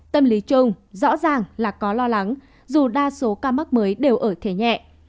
tâm lý chung rõ ràng là có lo lắng dù đa số ca mắc mới đều ở thế nhẹ